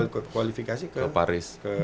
kualifikasi ke paris